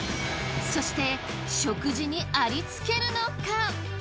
そして食事にありつけるのか！？